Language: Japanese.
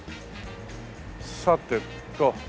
さてと。